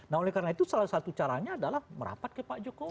nah oleh karena itu salah satu caranya adalah merapat ke pak jokowi